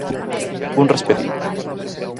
Un respetiño.